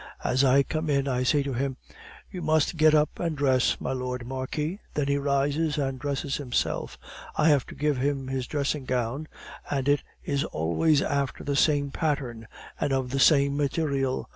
As I come in I say to him: "'You must get up and dress, my Lord Marquis.' "Then he rises and dresses himself. I have to give him his dressing gown, and it is always after the same pattern, and of the same material.